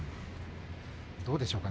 どうでしょうか